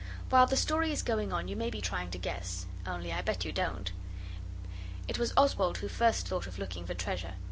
While the story is going on you may be trying to guess, only I bet you don't. It was Oswald who first thought of looking for treasure.